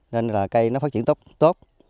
nên là cây nó phát triển tốt